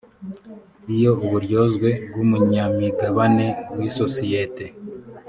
iyo uburyozwe bw umunyamigabane w isosiyete